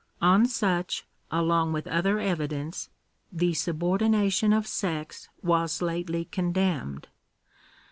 On such, along with other evidence, the subordination of sex was lately con demned.